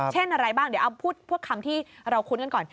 เช่นอะไรบ้างเดี๋ยวเอาพวกคำที่เราคุ้นกันก่อน